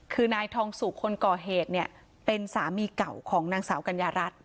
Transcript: คือนายทองสุกคนก่อเหตุเนี่ยเป็นสามีเก่าของนางสาวกัญญารัฐ